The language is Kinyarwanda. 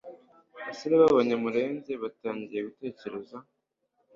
abasore b'Abanyamulenge batangiye gutekereza